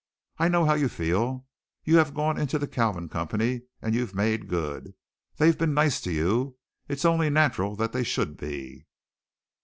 "I know how you feel. You have gone into the Kalvin Company and you've made good. They've been nice to you. It's only natural that they should be.